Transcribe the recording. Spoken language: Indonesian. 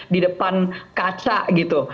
di depan kaca gitu